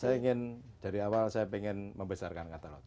saya ingin dari awal saya ingin membesarkan angkatan laut